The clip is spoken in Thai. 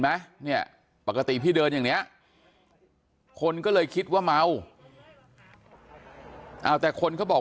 ไหมเนี่ยปกติพี่เดินอย่างนี้คนก็เลยคิดว่าเมาเอาแต่คนเขาบอก